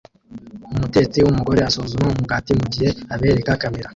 Umutetsi wumugore asuzuma umugati mugihe abereka kamera